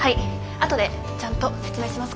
あとでちゃんと説明しますから。